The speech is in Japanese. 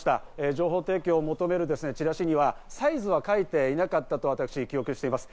情報提供を求めるチラシにはサイズは書いてなかったと私、記憶してます。